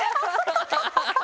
ハハハハ！